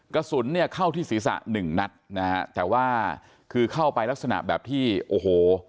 กระสุนเนี่ยเข้าที่ศีรษะหนึ่งนัดนะฮะแต่ว่าคือเข้าไปลักษณะแบบที่โอ้โห